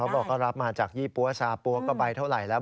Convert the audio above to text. บอกก็รับมาจากยี่ปั๊วซาปั๊วก็ใบเท่าไหร่แล้ว